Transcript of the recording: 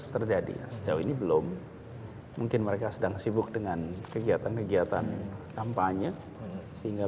terjadi sejauh ini belum mungkin mereka sedang sibuk dengan kegiatan kegiatan kampanye sehingga